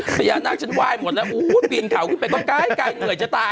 บรรยานาฮิชันว่ายหมดแล้วบินเข่าไปก็ไกลไกลเหนื่อยจ้าตาย